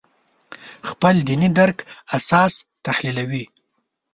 خپل دیني درک اساس تحلیلوي.